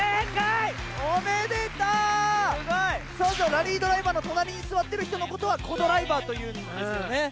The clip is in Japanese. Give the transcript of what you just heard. ラリードライバーの隣に座っている人の事はコ・ドライバーというんですよね。